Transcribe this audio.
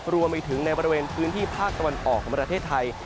รวมไปถึงในบริเวณพื้นที่ภาคตะวันออกของประเทศไทย